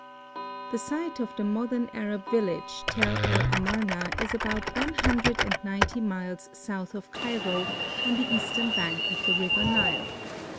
The site of the modern Arab village, Tel el Amarna, is about one hundred and ninety miles south of Cairo, on the eastern bank of the river Nile.